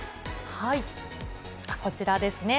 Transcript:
こちらですね。